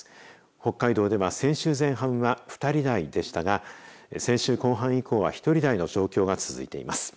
北海道では先週前半は２人台でしたが、先週後半以降は１人台の状況が続いています。